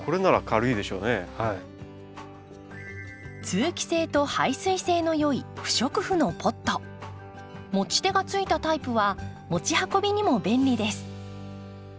通気性と排水性のよい持ち手がついたタイプは持ち運びにも便利です。